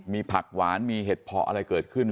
มีผักหวานมีเห็ดเพาะอะไรเกิดขึ้น